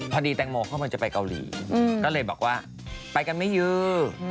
พอดีแตงโมเข้ามันจะไปเกาหลีก็เลยบอกว่าไปกันมะยู